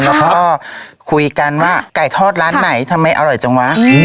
แล้วก็คุยกันว่าไก่ทอดร้านไหนทำไมอร่อยจังวะ